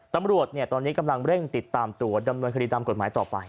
ตำรวจตอนนี้กำลังเร่งติดตามตัวดำเนินคดีตามกฎหมายต่อไป